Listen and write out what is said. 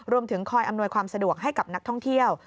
รวมถึงคอยอำนวยความสะดวกให้กับนักท่องเที่ยว